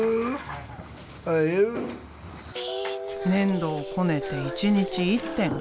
粘土をこねて一日１点。